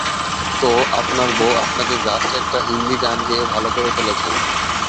- তো আপনার বৌ আপনাকে জাস্ট একটা হিন্দী গান গেয়ে ভালো করে ফেলেছেন।